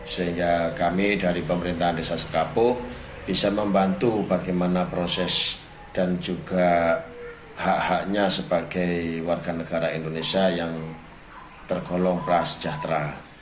sehingga kami dari pemerintahan desa sekapuk bisa membantu bagaimana proses dan juga hak haknya sebagai warga negara indonesia yang tergolong prasejahtera